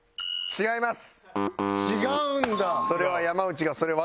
違います。